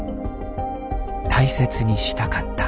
大切にしたかった。